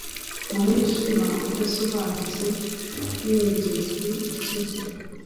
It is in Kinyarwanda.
Mu mwijima udasobanutse wimigezi ikize